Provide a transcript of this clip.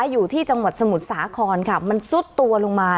อยู่ที่จังหวัดสมุทรสาครค่ะมันซุดตัวลงมา